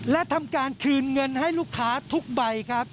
และทำการคืนเงินให้ลูกค้าทุกใบครับ